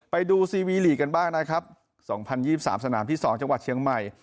ไปดูซีวีลีกกันบ้างนะครับสองพันยี่สามสนามที่สองจังหวัดเชียงใหม่